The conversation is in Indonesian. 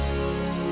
sampai jumpa di tv